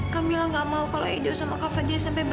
kamila gak mau kalau edo sama kak fadil sampai berantem